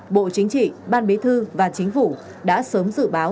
bộ chính trị ban bí thư và chính phủ đã sớm dự báo